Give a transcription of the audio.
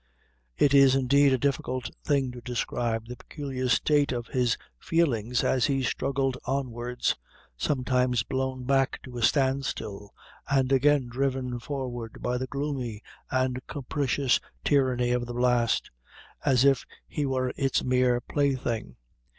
It is, indeed, a difficult thing to describe the peculiar state of his feelings as he struggled onwards, sometimes blown back to a stand still, and again driven forward by the gloomy and capricious tyranny of the blast, as if he were its mere plaything.